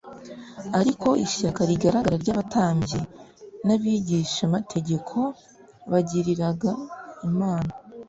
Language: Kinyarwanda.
Ariko ishyaka rigaragara ry'abatambyi n'abigishamategeko bagiriraga Imana,